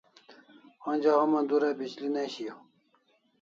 Onja homa dura bishli ne shiau